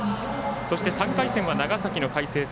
そして３回戦は長崎の海星戦。